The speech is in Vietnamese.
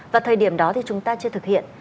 và thời điểm đó thì chúng ta chưa thực hiện